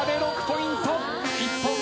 ６ポイント。